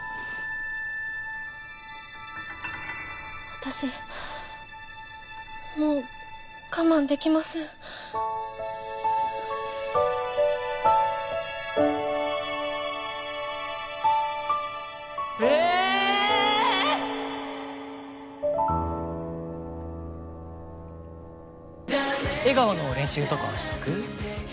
私もう我慢できません笑顔の練習とかしとく？